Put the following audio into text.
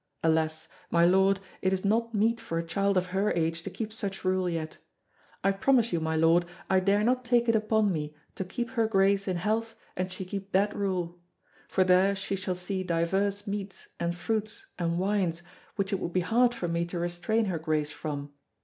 Alas! my Lord it is not meet for a child of her age to keep such rule yet. I promise you, my lord, I dare not take it upon me to keep her Grace in health an' she keep that rule. For there she shall see divers meats, and fruits, and wines, which it would be hard for me to restrain her Grace from.